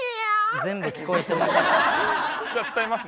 全部聞こえてます。